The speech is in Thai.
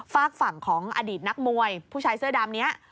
ฝากฝั่งของอดีตนักมวยผู้ชายเสื้อดำนี้